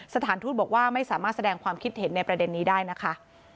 สถานทูตบอกว่าไม่สามารถแสดงความคิดเห็นในประเด็นนี้ได้นะคะ